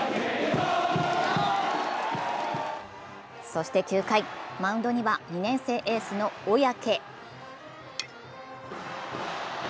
そして９回、マウンドには２年生エースの小宅。